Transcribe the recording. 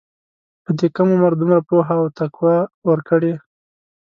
په دې کم عمر دومره پوهه او تقوی ورکړې.